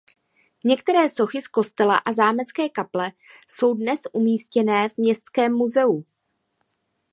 Některé sochy z kostela a zámecké kaple jsou dnes umístěné v městském muzeu.